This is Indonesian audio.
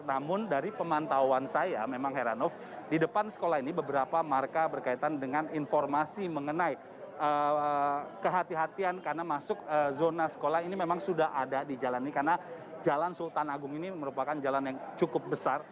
namun dari pemantauan saya memang heranov di depan sekolah ini beberapa marka berkaitan dengan informasi mengenai kehatian karena masuk zona sekolah ini memang sudah ada di jalan ini karena jalan sultan agung ini merupakan jalan yang cukup besar